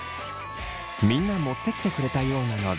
みんな持ってきてくれたようなので。